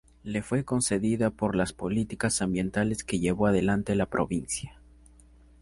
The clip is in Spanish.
Le fue concedida por las políticas ambientales que llevó adelante la provincia.